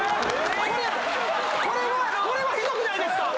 これはひどくないですか